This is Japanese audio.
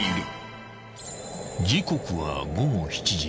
［時刻は午後７時］